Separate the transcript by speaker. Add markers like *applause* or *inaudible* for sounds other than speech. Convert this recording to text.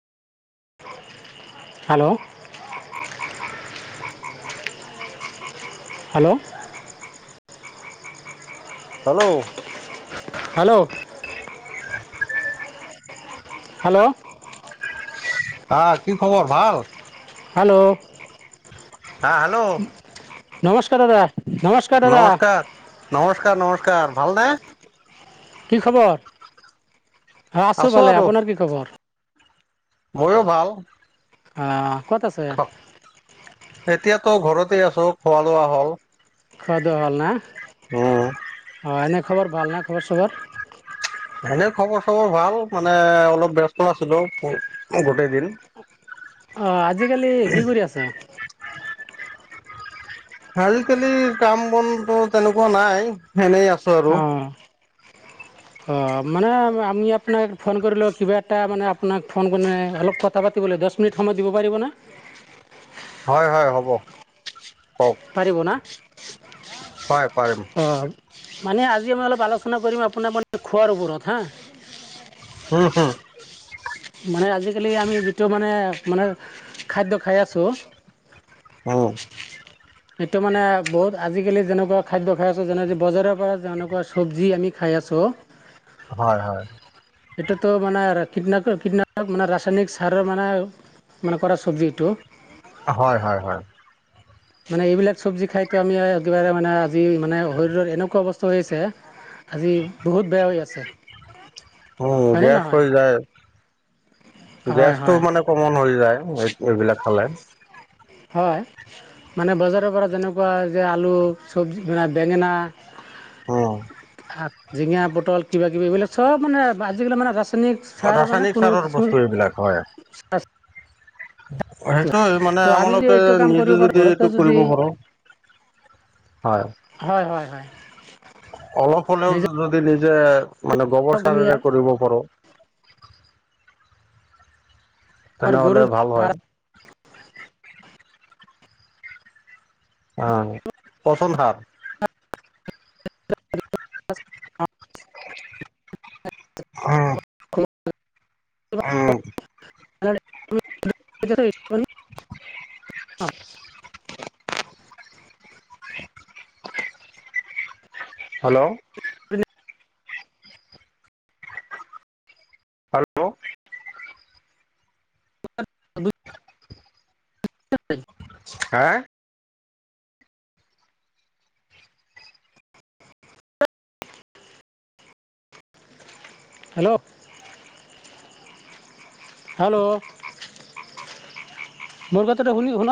Speaker 1: Hello hello
Speaker 2: hello
Speaker 1: hello hello
Speaker 2: আহ কি খবৰ ভাল।
Speaker 1: হেল্ল'
Speaker 2: হা হেল্ল
Speaker 1: নমস্কাৰ দাদা। নমস্কাৰ দাদা
Speaker 2: নমস্কাৰ নমস্কাৰ নম স্কাৰ ভাল নে
Speaker 1: কি খবৰ অ আছো ভালে আপোনাৰ কি খবৰ।
Speaker 2: মোৰো ভাল।
Speaker 1: অ। ক'ত আছে।
Speaker 2: এতিয়াাতো ঘৰতে আছো খোৱা লোৱা হ'ল।
Speaker 1: খোৱা বোৱা হল না
Speaker 2: উম
Speaker 1: অ এনে খবৰ ভাল না খবৰ চবৰ
Speaker 2: এনে খবৰ চবৰ ভাল মানে অলপ ব্যস্ত আছিলো গোটেই দিন
Speaker 1: অ আজিকালি কি কৰি আছ
Speaker 2: আজিকালি কাম বনটো তেনেকুৱা নাই এনেই আছে
Speaker 1: অ অ মানে আমি আপোনাক ফোন কৰি লওঁ কিবা এটা মানে আপোনাক ফোন অলপ কথা পাতিবলৈ দচ মিনিট সময় দিব পাৰিব নে!
Speaker 2: হয় হয় হ'ব। কওক
Speaker 1: পাৰিব না।
Speaker 2: হয় পাৰিম।
Speaker 1: অঁ মানে আজি আমি অলপ আলোচনা কৰিম আপোনাক মানে খোৱাৰ ওপৰত হাঁ
Speaker 2: *unintelligible*
Speaker 1: মানে আজিকালি আমি যিটো মানে মানে খাদ্য খাই আছোঁ।
Speaker 2: উম
Speaker 1: সেইটো মানে বহুত আজিকালি যেনেকুৱা খাদ্য খাই আছো যেনে বজাৰৰ পৰা যেনেকুৱা চব্জি আমি খাই আছোঁ।
Speaker 2: হয় হয়।
Speaker 1: এইটোতো মানে কীটনাশক কীটনাশক মানে ৰাসায়নিক সাৰৰ মানে মানে কৰা চব্জি এইটো
Speaker 2: হয় হয় হয়।
Speaker 1: মানে এইবিলাক চব্জি খাইতো আমি একেবাৰে মানে আজি মানে শৰীৰত এনেকুৱা অৱস্থা হৈ আছে আজি বহুত বেয়া হৈ আছে।
Speaker 2: উম
Speaker 1: হয়নে
Speaker 2: গেছ
Speaker 1: নহয়
Speaker 2: হৈ যায়।
Speaker 1: হয়
Speaker 2: গেছটো
Speaker 1: হয়
Speaker 2: মানে কমন হৈ যায়। এই এইবিলাক খালে।
Speaker 1: হয় মানে বজাৰৰ পৰা যেনেকুৱা যে আলু চব্জি মানে বেঙেনা
Speaker 2: অ
Speaker 1: সাত জিঙা, পটল কিবা কিবি এইবিলাক চব মানে আজিকালি মানে ৰা ৰাসায়নিক সাৰ মানে
Speaker 2: ৰাসায়নিক
Speaker 1: কোনো
Speaker 2: সাৰৰ
Speaker 1: কিছু
Speaker 2: বস্তু *unintelligible* সেইটো মানে আমালোকে
Speaker 1: এইটো কাম
Speaker 2: নিজে
Speaker 1: কৰিব পাৰো
Speaker 2: যদি
Speaker 1: ঘৰতে
Speaker 2: এইটো
Speaker 1: যদি
Speaker 2: কৰিব পাৰো, হয়
Speaker 1: হয় হয় হয়
Speaker 2: অলপ হ'লেও
Speaker 1: নিজে
Speaker 2: যদি নি যে মানে গোৱৰ
Speaker 1: আমি
Speaker 2: সাৰেৰে কৰিব পাৰোঁ
Speaker 1: গৰু
Speaker 2: তেনেহলে ভাল হয়। *unintelligible* আহ পচন সাৰ
Speaker 1: *inaudible*
Speaker 2: অৱ
Speaker 1: *inaudible*
Speaker 2: হেল্ল'। হেল্ল'।
Speaker 1: *inaudible* *inaudible*
Speaker 2: হা।
Speaker 1: হেল্ল'। হেল্ল, ' বলকাতাৰে শু শুনা